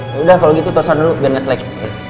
yaudah kalau gitu tosar dulu gak nge slack